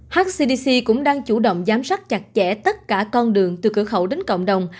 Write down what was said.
hcdc cũng đang chủ động giám sát chặt chẽ tất cả con đường từ cửa khẩu đến cộng đồng